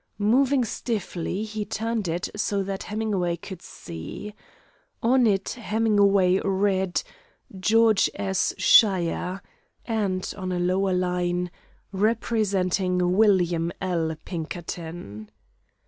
Moving stiffly, he turned it so that Hemingway could see. On it Hemingway read, "George S. Sheyer," and, on a lower line, "Representing William L. Pinkerton."